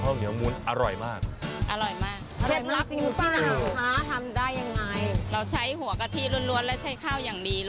ข้าวเหนียวอย่างดีกับหัวกะทิแน่นเห็นมั้ยครับ